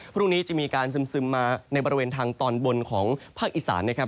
พรุ่งนี้จะมีการซึมมาในบริเวณทางตอนบนของภาคอีสานนะครับ